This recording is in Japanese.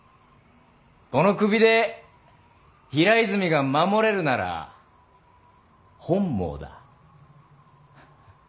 この首で平泉が守れるなら本望だ。